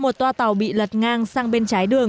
một toa tàu bị lật ngang sang bên này